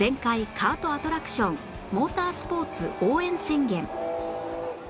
カートアトラクションモータースポーツ応援宣言」